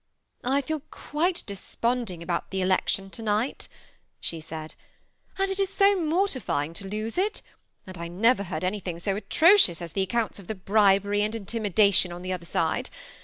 ^ I fed quite desponding about the election toroight,'' she said, " and it is so mortifying to lose it ; and I never heard anything so atrocious as the accounts of the bri bery and intimidation on the other side.